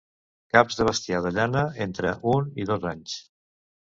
Caps de bestiar de llana entre un i dos anys.